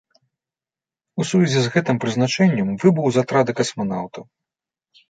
У сувязі з гэтым прызначэннем выбыў з атрада касманаўтаў.